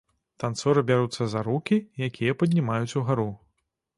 Танцоры бяруцца за рукі, якія паднімаюць угару.